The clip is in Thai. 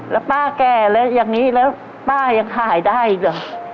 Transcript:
แล้วป้าแก่แล้วอย่างนี้แล้วป้ายังขายได้อีกเหรอ